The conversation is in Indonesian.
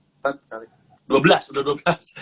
empat kali dua belas sudah dua belas